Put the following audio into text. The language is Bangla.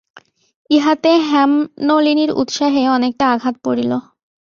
ইহাতে হেমনলিনীর উৎসাহে অনেকটা আঘাত পড়িল।